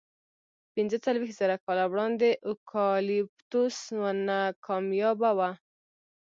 پینځهڅلوېښت زره کاله وړاندې اوکالیپتوس ونه کمیابه وه.